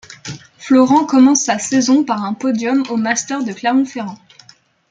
Florent commence sa saison par un podium aux masters de Clermont-Ferrand.